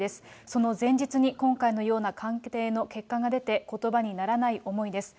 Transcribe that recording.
その前日に、今回のような鑑定の結果が出て、ことばにならない思いです。